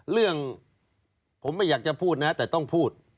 เรื่องผมไม่อยากจะพูดนะแต่ต้องพูด